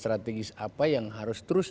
strategis apa yang harus terus